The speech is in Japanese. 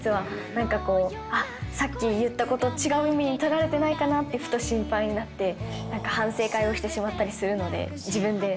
なんかこう、あっ、さっき言ったこと違う意味に捉えられてないかなって、ふと心配になって、反省会をしてしまったりするので、自分で。